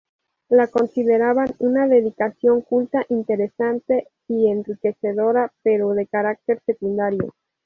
La consideraban una dedicación culta, interesante y enriquecedora pero de carácter secundario.